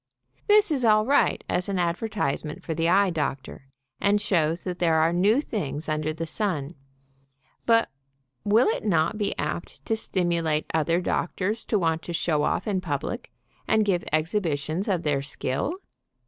This is all right as an ad vertisement for the eye doctor, and shows that there are new things under the sun, but will it not be apt to stimulate other doctors to want to show off in public, and give exhibitions of their skill?